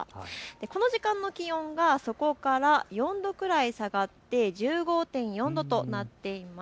この時間の気温は、そこから４度くらい下がって１５．４度となっています。